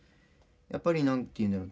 やっぱりなんて言うんだろう